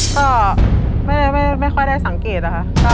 ก็ไม่ค่อยได้สังเกตนะคะ